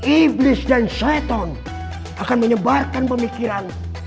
iblis dan shueton akan menyebarkan pemikiran